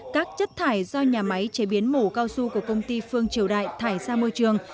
các chất thải do nhà máy chế biến mổ cao su của công ty phương triều đại thải ra môi trường